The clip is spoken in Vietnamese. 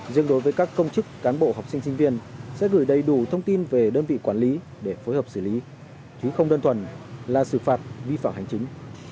riêng đối với các công chức cán bộ học sinh sinh viên sẽ gửi đầy đủ thông tin về đơn vị quản lý để phối hợp xử lý chứ không đơn thuần là xử phạt vi phạm hành chính